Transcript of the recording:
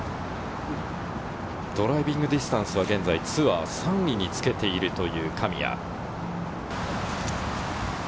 ドライビングディスタンスは現在ツアー３位につけている神谷。